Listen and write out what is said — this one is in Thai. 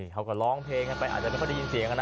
เขาก็ร้องเพลงกันไปอาจจะเป็นคนได้ยินเสียงกันนะ